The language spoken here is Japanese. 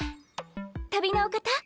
旅のお方？